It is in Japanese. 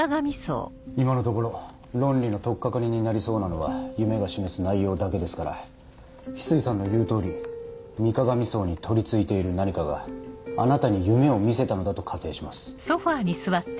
今のところ論理の取っ掛かりになりそうなのは夢が示す内容だけですから翡翠さんの言う通り水鏡荘に取り憑いている何かがあなたに夢を見せたのだと仮定します。